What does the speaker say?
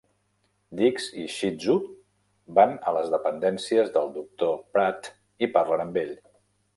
Dix i Shitzu van a les dependències del doctor Pratt i parlen amb ell.